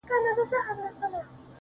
• اوس مي د زړه قلم ليكل نه كوي.